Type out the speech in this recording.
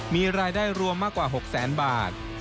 มีรายได้รวมมากกว่า๖แสนบาท